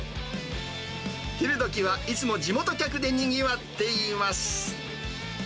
昼どきは、いつも地元客でにぎわっています。